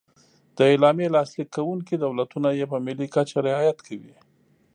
د اعلامیې لاسلیک کوونکي دولتونه یې په ملي کچه رعایت کوي.